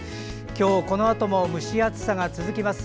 今日このあとも蒸し暑さが続きます。